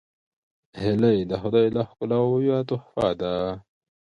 هیلۍ د خدای له ښکلاوو یوه تحفه ده